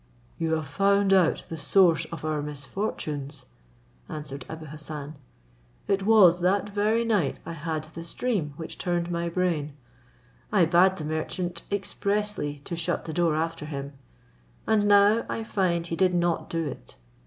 "You have found out the source of our misfortunes," answered Abou Hassan. "It was that very night I had this dream which turned my brain. I bade the merchant expressly to shut the door after him; and now I find he did not do it.